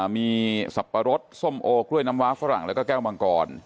มีสับปะรดส้มโอกล้วยน้ำว้าฝรั่งแล้วก็แก้วมังกร